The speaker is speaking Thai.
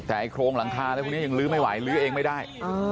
แต่ไอโครงหลังคาอะไรพวกนี้ยังลื้อไม่ไหวลื้อเองไม่ได้